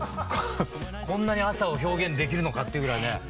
こんなに朝を表現できるのかっていうぐらいね